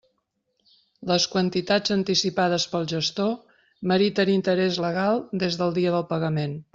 Les quantitats anticipades pel gestor meriten interès legal des del dia del pagament.